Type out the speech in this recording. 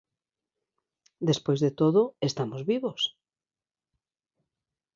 Despois de todo, estamos vivos.